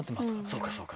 そうか、そうか。